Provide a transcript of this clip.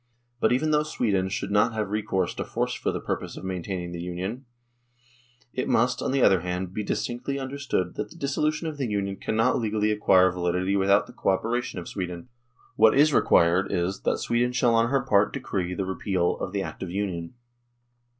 " But even though Sweden should not have recourse to force for the purpose of maintaining the Union, it must, on the other hand, be distinctly understood that the dissolution of the Union cannot legally acquire validity without the co operation of Sweden. What is required is, that Sweden shall on her part decree THE DISSOLUTION OF THE UNION 125 the repeal of the Act of Union.